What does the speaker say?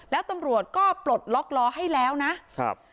แล้วตำรวจก็ปลดล็อกล้อให้แล้วนะครับ